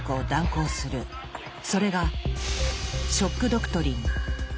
それが「ショック・ドクトリン」。